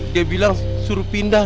dia bilang suruh pindah